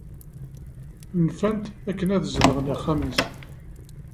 Nfan-t akken ad zedɣen axxam-is.